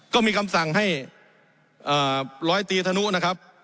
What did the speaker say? ก็มีคำสั่งให้ร้อยตีธนุนะครับ